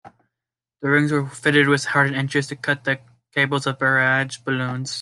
The wings were fitted with hardened edges to cut the cables of barrage balloons.